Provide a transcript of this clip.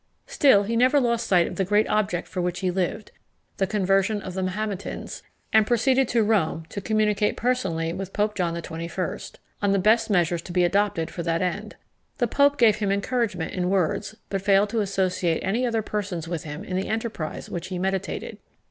Still he never lost sight of the great object for which he lived the conversion of the Mahometans and proceeded to Rome, to communicate personally with Pope John XXI. on the best measures to be adopted for that end. The Pope gave him encouragement in words, but failed to associate any other persons with him in the enterprise which he meditated.